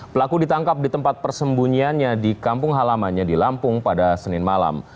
pelaku ditangkap di tempat persembunyiannya di kampung halamannya di lampung pada senin malam